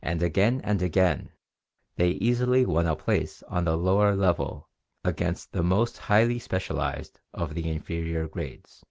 And again and again they easily won a place on the lower level against the most highly specialized of the inferior grades.